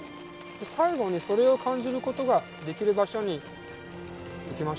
最後にそれを感じる事ができる場所に行きましょうか。